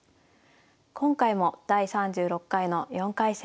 今回も第３６回の４回戦。